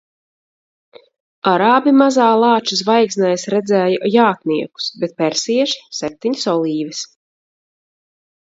Arābi Mazā Lāča zvaigznēs redzēja jātniekus, bet persieši – septiņas olīves.